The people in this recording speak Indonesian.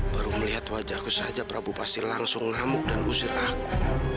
baru melihat wajahku saja prabu pasti langsung ngamuk dan usir aku